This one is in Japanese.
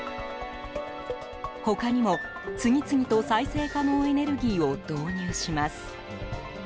他にも、次々と再生可能エネルギーを導入します。